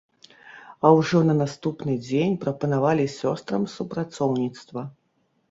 А ўжо на наступны дзень прапанавалі сёстрам супрацоўніцтва.